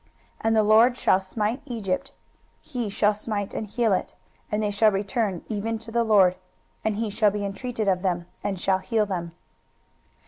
23:019:022 And the LORD shall smite Egypt: he shall smite and heal it: and they shall return even to the LORD, and he shall be intreated of them, and shall heal them.